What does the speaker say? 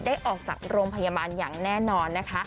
ออกจากโรงพยาบาลอย่างแน่นอนนะคะ